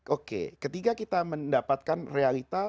oke ketika kita mendapatkan realita